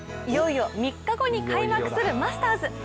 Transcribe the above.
いよいよ３日後に開幕するマスターズ。